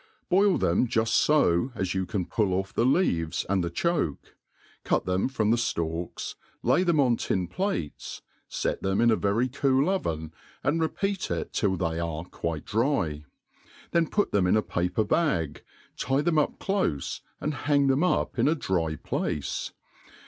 BOIL them juft fo as you can pull off the leaves and the choke^ cut them from the ftaiks, lay them on tin plates, fet thgn in a very cool oven, and repeat it til! they are quite dry; then put them in apaper *bag, tie them up clofe, and hang thehitipin a dry place.